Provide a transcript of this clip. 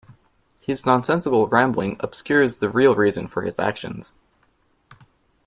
His nonsensical rambling obscures the real reason for his actions.